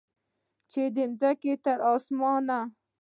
چې د مځکې تر اسمانه